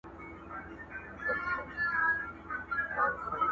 زه په خپل ځان کي بندي د خپل زندان یم؛